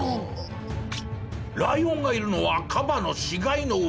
ライオンがいるのはカバの死骸の上。